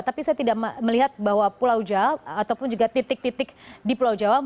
tapi saya tidak melihat bahwa pulau jawa ataupun juga titik titik di pulau jawa